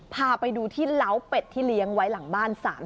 พาไปดูที่เล้าเป็ดที่เลี้ยงไว้หลังบ้าน